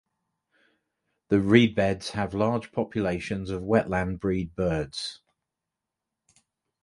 The reed beds have large populations of wetland breed birds.